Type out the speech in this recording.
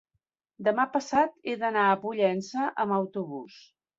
Demà passat he d'anar a Pollença amb autobús.